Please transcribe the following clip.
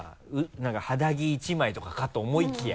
何か肌着１枚とかかと思いきや。